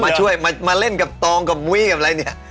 แล้วมาเล่นกับโตรงกับมุ้ยแบบไหนเนี่ย